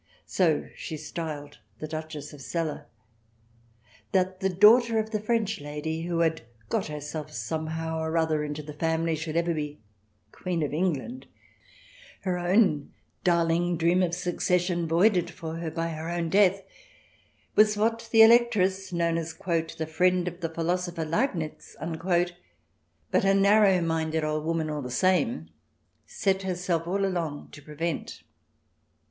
So she styled the Duchess of Celle. That the daughter of the 15 226 THE DESIRABLE ALIEN [ch. xvii French lady, who had got herself somehow or other into the family, should ever be Queen of England — her own darling dream of succession voided for her by her own death — was what the Electress, known as " the friend of the philosopher Leibnitz," but a narrow minded old woman all the same, set herself all along to prevent.